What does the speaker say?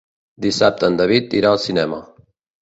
Dissabte en David irà al cinema.